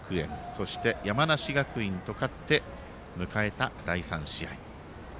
そして、山梨学院と勝って迎えた第３試合。